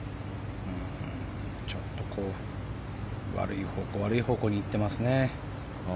ちょっと悪い方向、悪い方向に行っていますね。